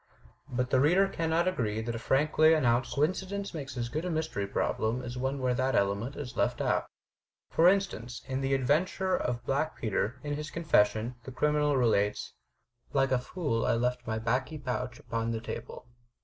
But the reader cannot agree that a frankly announced coincidence makes as good a mystery problem as one where that element is left out. For instance in "The Adventure of Black Peter," in his confession, the criminal relates: "Like a fool I left my baccy pouch upon the table."